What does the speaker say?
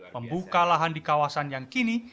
membuka lahan di kawasan yang kini